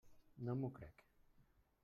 No m'ho crec.